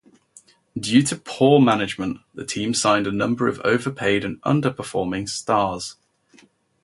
Due to poor management, the team signed a number of over-paid and under-performing "stars".